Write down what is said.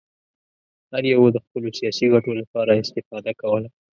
هر یوه د خپلو سیاسي ګټو لپاره استفاده کوله.